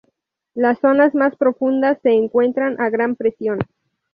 Las zonas más profundas se encuentran a gran presión.